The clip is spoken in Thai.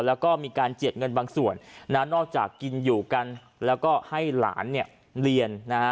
แล้วก็มีการเจียดเงินบางส่วนนะนอกจากกินอยู่กันแล้วก็ให้หลานเนี่ยเรียนนะฮะ